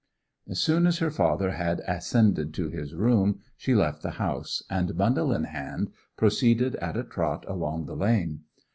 As soon as her father had ascended to his room she left the house, and, bundle in hand, proceeded at a trot along the lane.